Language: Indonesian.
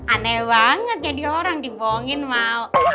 aneh banget jadi orang dibohongin mau